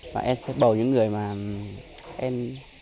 và em sẽ bầu những người mà em